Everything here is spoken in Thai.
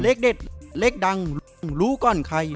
เลขเด็ดเลขดังรู้ก่อนใคร